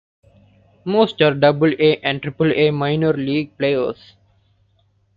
Most are Double-A and Triple-A Minor League players.